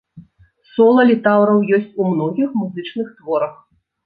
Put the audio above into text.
Сола літаўраў ёсць у многіх музычных творах.